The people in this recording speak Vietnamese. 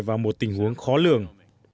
vào một tình huống khó lường